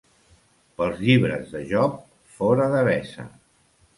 Pels llibres de Job, fora Devesa.